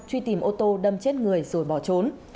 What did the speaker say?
truy tìm ô tô đâm chết người rồi bỏ trốn